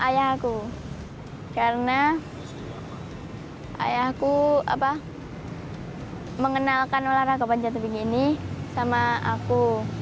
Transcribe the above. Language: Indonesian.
ayahku karena ayahku mengenalkan olahraga panjat tebing ini sama aku